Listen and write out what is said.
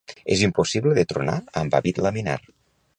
És impossible de tronar amb hàbit laminar.